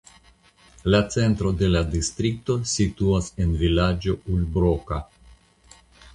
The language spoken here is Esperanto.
La centro de la distrikto situas en vilaĝo Ulbroka.